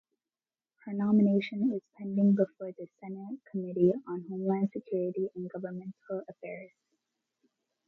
Her nomination is pending before the Senate Committee on Homeland Security and Governmental Affairs.